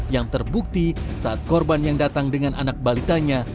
yang terbukti saat korban yang datang dengan anak balitanya